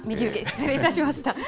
失礼いたしました。